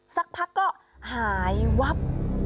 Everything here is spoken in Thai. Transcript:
สักพักก็หายวับ